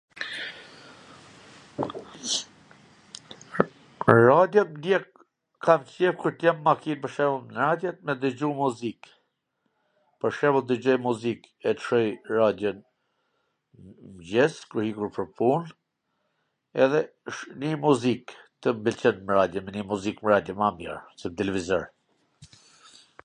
Radio ndjek, kam qef kur t jem n makin pwr shembiull, radio me dwgju muzik, pwr shembull dwgjoj muzik... e Coj radion mwngjes kur iku pwr pun, edhe ndij muzik, mw pwlqen nw radio me ndi muzik ma mir se n televizor .